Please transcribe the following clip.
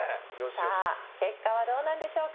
さあ結果はどうなんでしょうか。